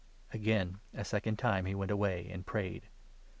" Again, a second time, he went away, and prayed.